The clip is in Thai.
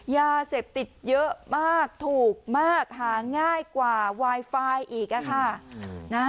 ยาเสพติดเยอะมากถูกมากหาง่ายกว่าไวไฟอีกค่ะ